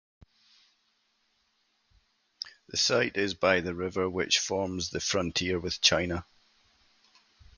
The site is by the river which forms the frontier with China.